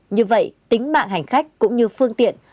như vậy tính mạng hành khách cũng như phương tiện